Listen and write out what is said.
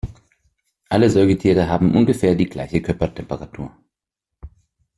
Alle Säugetiere haben ungefähr die gleiche Körpertemperatur.